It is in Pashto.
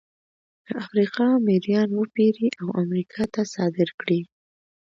له افریقا مریان وپېري او امریکا ته صادر کړي.